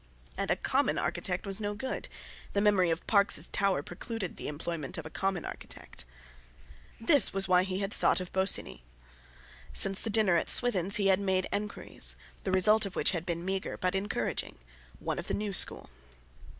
And a common architect was no good—the memory of Parkes' tower precluded the employment of a common architect: This was why he had thought of Bosinney. Since the dinner at Swithin's he had made enquiries, the result of which had been meagre, but encouraging: "One of the new school."